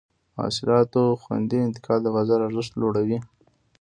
د حاصلاتو خوندي انتقال د بازار ارزښت لوړوي.